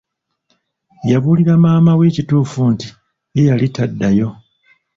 Yabuulira maama we ekituufu nti ye yali taddayo.